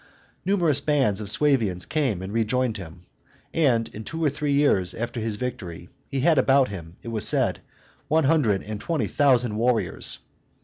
Numerous bands of Suevians came and rejoined him; and in two or three years after his victory he had about him, it was said, one hundred and twenty thousand warriors.